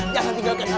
jangan tinggalkan aku